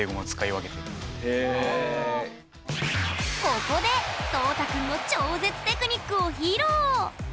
ここでそうた君の超絶テクニックを披露！